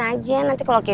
kasihan banget mbak mirna